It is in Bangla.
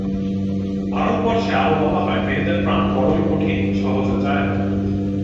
ভারতবর্ষে আরও বলা হয়, মেয়েদের প্রাণ বড়ই কঠিন, সহজে যায় না।